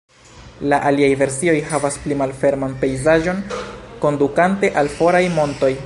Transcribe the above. La aliaj versioj havas pli malferman pejzaĝon, kondukante al foraj montoj.